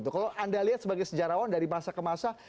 kalau anda lihat sebagai sejarawan dari masa ke masa